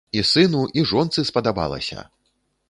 І сыну, і жонцы спадабалася!